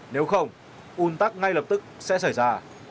nếu không un tắc ngay lập tức sẽ xảy ra